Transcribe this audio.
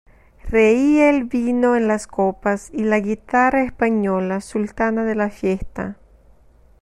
reía el vino en las copas, y la guitarra española , sultana de la fiesta